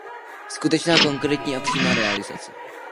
Skutečná, konkrétní a přímá realizace.